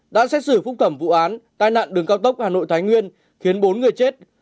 đã xét xử phúc thẩm vụ án tai nạn đường cao tốc hà nội thái nguyên khiến bốn người chết